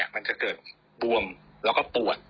มันจะเกิดบวมแล้วก็ปวด